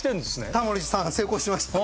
タモリさんは成功しました。